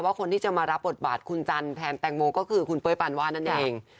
คนที่จะมารับบทบาทคุณจันทร์แทนแตงโมก็คือคุณเป้ยปานวาดนั่นเอง